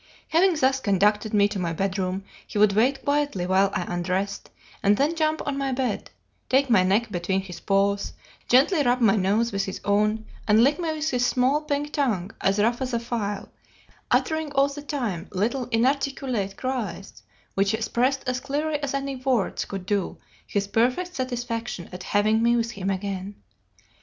Having thus conducted me to my bedroom, he would wait quietly while I undressed, and then jump on my bed, take my neck between his paws, gently rub my nose with his own, and lick me with his small, pink tongue, as rough as a file, uttering all the time little inarticulate cries, which expressed as clearly as any words could do his perfect satisfaction at having me with him again.